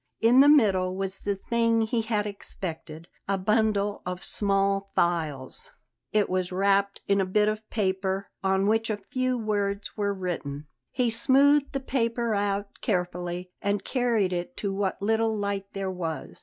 In the middle was the thing he had expected, a bundle of small files. It was wrapped in a bit of paper, on which a few words were written. He smoothed the paper out carefully and carried it to what little light there was.